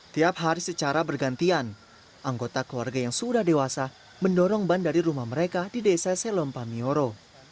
tiap hari secara bergantian anggota keluarga yang sudah dewasa mendorong ban dari rumah mereka di desa selompa mioro